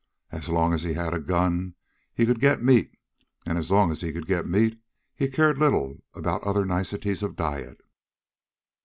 As long as he had a gun he could get meat, and as long as he could get meat, he cared little about other niceties of diet.